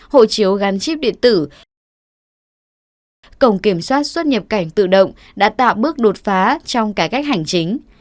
hộ chiếu gắn chip điện tử cổng kiểm soát xuất nhập cảnh tự động đã tạo bước đột phá trong cải cách hành chính